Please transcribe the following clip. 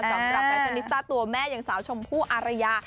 สำหรับแม่ชนิตต้าตัวแม่อย่างสาวชมผู้อารยะ